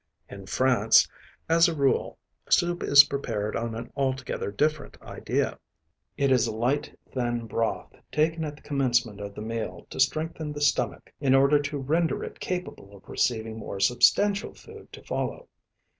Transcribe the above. In France, as a rule, soup is prepared on an altogether different idea. It is a light, thin broth, taken at the commencement of the meal to strengthen the stomach, in order to render it capable of receiving more substantial food to follow.